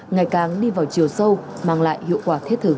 ngày càng đi vào chiều sâu mang lại hiệu quả thiết thực